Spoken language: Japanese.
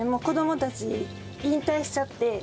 子どもたち引退しちゃって。